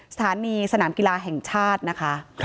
สนามกีฬาแห่งชาตินะคะ